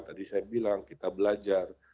tadi saya bilang kita belajar